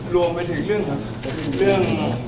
รวมไปถึงเรื่อง